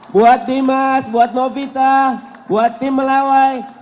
buat dimas buat novita buat tim melawai